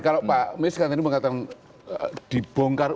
kalau pak mis katanya mengatakan dibongkar